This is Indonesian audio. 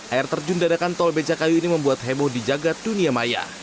air terjun diadakan tol beca kayu ini membuat hemoh di jaga dunia